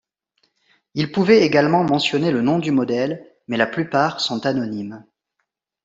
Ils pouvaient également mentionner le nom du modèle, mais la plupart sont anonymes.